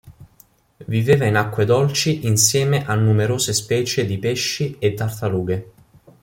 Viveva in acque dolci insieme a numerose specie di pesci e tartarughe.